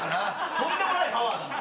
とんでもないパワーだな。